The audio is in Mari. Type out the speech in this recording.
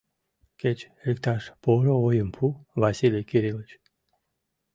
Кеч иктаж поро ойым пу, Василий Кирилыч.